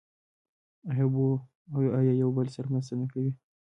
آیا او یو بل سره مرسته نه کوي؟